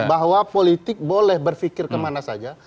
bahwa politik boleh berfikir kemana saja